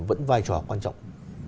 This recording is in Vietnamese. vẫn vai trò quan trọng